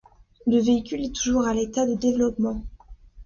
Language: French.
Le véhicule est toujours à l'état de développement.